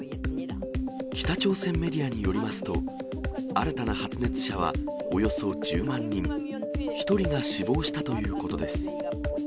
北朝鮮メディアによりますと、新たな発熱者はおよそ１０万人、１人が死亡したということです。